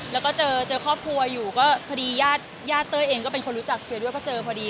แล้วก็เจอครอบครัวอยู่ก็พอดีย่าเต้ยเองก็เป็นคนรู้จักเฉยด้วยก็เจอพอดี